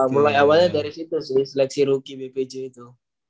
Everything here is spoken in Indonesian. mulai awalnya dari situ sih seleksi rookie bpj itu